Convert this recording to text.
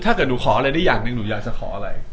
ถ้าเกิดหนูขออะไรได้อย่างหนึ่งหนูอยากจะขออะไร